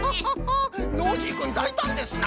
ノージーくんだいたんですな。